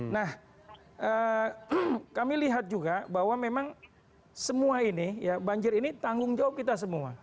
nah kami lihat juga bahwa memang semua ini ya banjir ini tanggung jawab kita semua